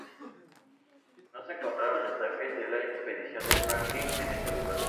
No se encontraron mensajes de la expedición de Franklin en ese lugar.